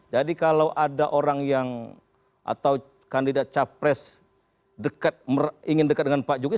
jadi kalau ada orang yang atau kandidat capres ingin dekat dengan pak jokowi